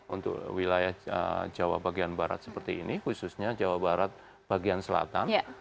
untuk wilayah jawa bagian barat seperti ini khususnya jawa barat bagian selatan